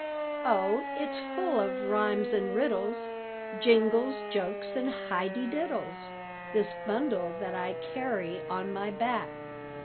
"Oh it's full of rimes and riddles, Jingles, jokes, and hi de diddles This bundle that I carry on my back."